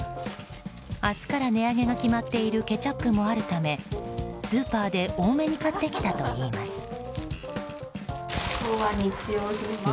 明日から値上げが決まっているケチャップもあるためスーパーで多めに買ってきたといいます。